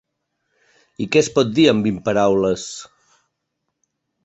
I què es pot dir en vint paraules?